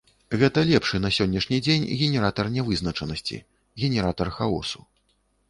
Гэта лепшы на сённяшні дзень генератар нявызначанасці, генератар хаосу.